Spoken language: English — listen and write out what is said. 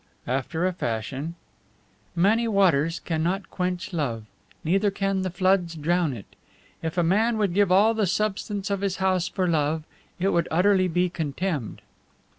"After a fashion." "'Many waters cannot quench love, neither can the floods drown it; if a man would give all the substance of his house for love, it would utterly be contemned!'"